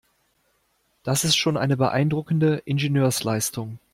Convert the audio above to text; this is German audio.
Das ist schon eine beeindruckende Ingenieursleistung.